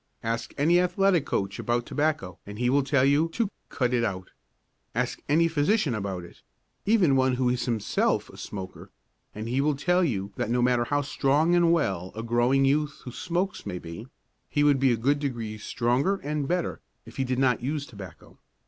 Ask any athletic coach about tobacco and he will tell you to 'cut it out.' Ask any physician about it even one who is himself a smoker and he will tell you that no matter how strong and well a growing youth who smokes may be, he would be a good degree stronger and better if he did not use tobacco.